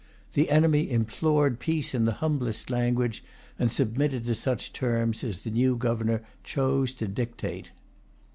The enemy implored peace in the humblest language, and submitted to such terms as the new governor chose to dictate.